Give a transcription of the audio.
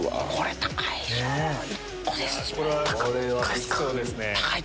高いですか？